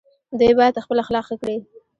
دوی باید خپل اخلاق ښه کړي.